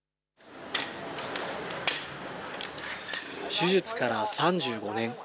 手術から３５年。